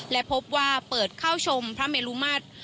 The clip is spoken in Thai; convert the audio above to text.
และพบว่าเปิดเข้าชมพระเมลุมาตร